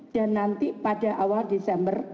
dan nanti pada awal desember